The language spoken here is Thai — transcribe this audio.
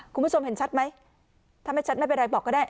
คุณผู้ชมเห็นชัดไหมถ้าไม่ชัดไม่เป็นไรบอกก็ได้